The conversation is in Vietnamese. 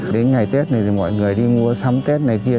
đến ngày tết này thì mọi người đi mua sắm tết này kia